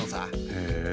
へえ。